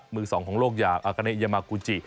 มือสองของโลกอย่างอากาเนยามากูจิ